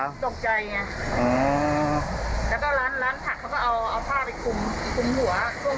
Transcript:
แล้วก็ล้านผักเขาก็เอาผ้าไปคุมหัวไม่น่าจะโดนเท่าไหร่แต่หน้าดำเลย